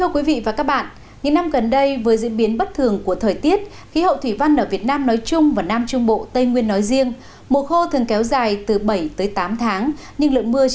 các bạn hãy đăng ký kênh để ủng hộ kênh của chúng mình nhé